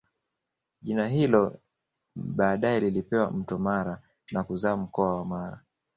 Jina hilo baadae lilipewa Mto Mara na kuzaa mkoa wa Mara